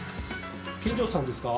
見城さんですか？